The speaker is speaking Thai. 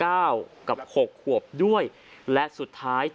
และคอบแสนทุกอย่าง